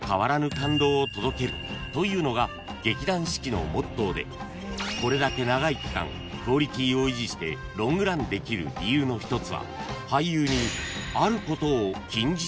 届けるというのが劇団四季のモットーでこれだけ長い期間クオリティーを維持してロングランできる理由の一つは］